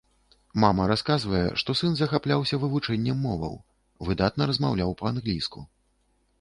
Мама расказвае, што сын захапляўся вывучэннем моваў, выдатна размаўляў па-англійску.